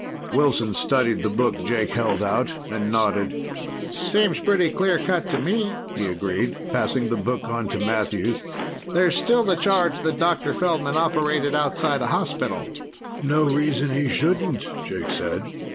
Wilson studied the book Jake held out, and nodded. "Seems pretty clear cut to me," he agreed, passing the book on to Matthews. "There's still the charge that Dr. Feldman operated outside a hospital." "No reason he shouldn't," Jake said.